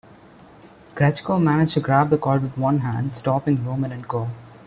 Grechko managed to grab the cord with one hand, stopping Romanenko.